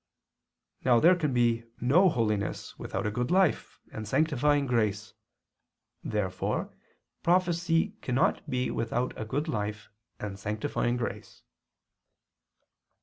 Now there can be no holiness without a good life and sanctifying grace. Therefore prophecy cannot be without a good life and sanctifying grace.